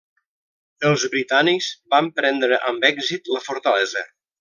Els britànics van prendre amb èxit la fortalesa.